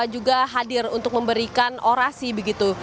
juga hadir untuk memberikan orasi begitu